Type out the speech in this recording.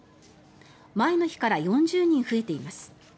前の日から４０人増えています。